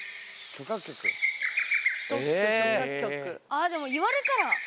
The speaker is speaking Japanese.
あでも言われたら。